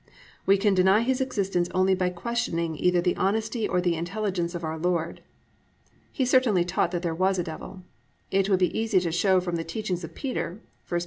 We can deny his existence only by questioning either the honesty or the intelligence of our Lord._ He certainly taught that there was a Devil. It would be easy to show from the teachings of Peter (1 Pet.